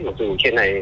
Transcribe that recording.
mặc dù trên này